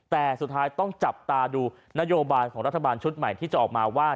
แต่สุดท้ายต้องจับตาดูนโยบายของรัฐบาลชุดใหม่ที่จะออกมาว่า